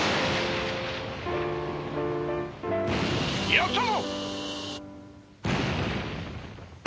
やったぞ！